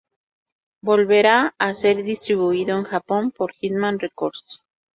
Volverá a ser distribuido en Japón por Hitman Records.